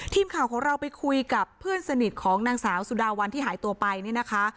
ทีมข่าวของเราไปคุยกับเพื่อนสนิทของนางสาวสุดาวันที่หายตัวไปเนี่ยนะคะ